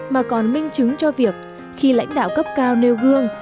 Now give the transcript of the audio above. mà còn minh chứng cho việc khi lãnh đạo cấp cao nêu gương